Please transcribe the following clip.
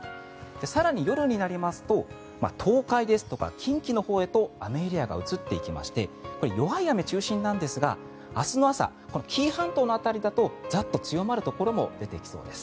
更に夜になりますと東海ですとか近畿のほうへと雨エリアが移っていきましてこれ、弱い雨中心なんですが明日の朝、紀伊半島の辺りだとザッと強まるところも出てきそうです。